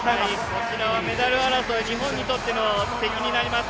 こちらはメダル争い、日本にとっての敵になります。